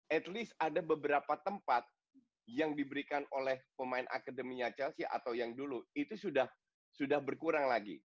at least ada beberapa tempat yang diberikan oleh pemain akademinya chelsea atau yang dulu itu sudah berkurang lagi